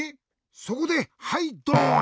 そこではいドーン！